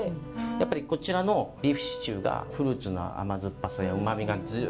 やっぱりこちらのビーフシチューがフルーツの甘酸っぱさやうまみがジュウッと溶けてきてますね。